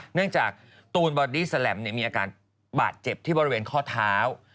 เนื่องจากตูนบอดี้แสลมมีอาการบาดเจ็บที่บริเวณข้อเท้า